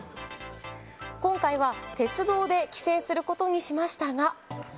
今回は鉄道で帰省することにしましたが。